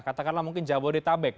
katakanlah mungkin jabodetabek